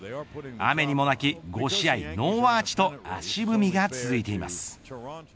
雨にも泣き５試合ノーアーチと足踏みが続いています。